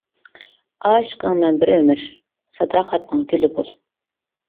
ئاشىقىڭ مەن بىر ئۆمۈر، ساداقەتنىڭ گۈلى بول.